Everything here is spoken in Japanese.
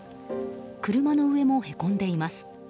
車の上もへこんでいます。